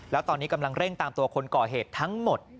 แล้วตอนนี้กำลังเร่งตามตัวคนก่อเหตุทั้งหมด